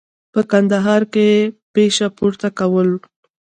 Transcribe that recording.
په کندهار کې پشه پورته کول.